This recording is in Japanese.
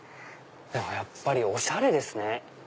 やっぱりおしゃれですね。